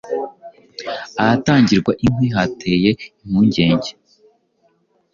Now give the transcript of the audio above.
ahatangirwa inkwi hateye impungenge